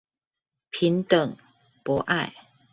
平等、博愛